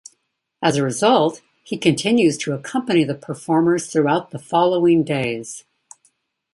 As a result, he continues to accompany the performers throughout the following days.